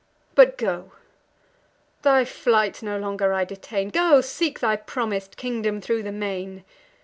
But go! thy flight no longer I detain; Go seek thy promis'd kingdom thro' the main!